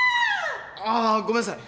あごめんなさい。